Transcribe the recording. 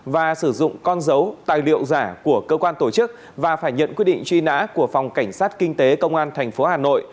và sử dụng con dấu tài liệu giả của cơ quan tổ chức và phải nhận quyết định truy nã của phòng cảnh sát kinh tế công an tp hà nội